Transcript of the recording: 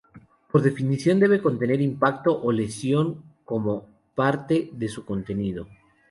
Por definición debe contener impacto o lesión como parte de su contenido.